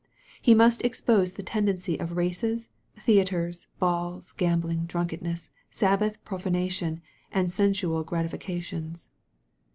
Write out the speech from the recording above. He must expose the tendency of races, theatres, balls, gambling, drunkenness, Sabbath profanation, and sensual gratifications.